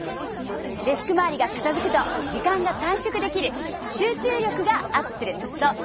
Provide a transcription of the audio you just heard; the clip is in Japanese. デスク周りが片づくと時間が短縮できる集中力がアップするといいことづくし。